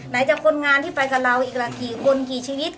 จากคนงานที่ไปกับเราอีกละกี่คนกี่ชีวิต